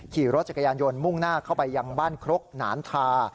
ขี่รถจักรยานยนต์มุ่งหน้าเข้าไปยังบ้านครกหนานทา